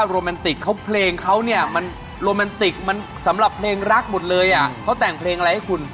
โรแมนติกมันสำหรับเพลงรักหมดเลยอ่ะเขาแต่งเพลงอะไรให้คุณ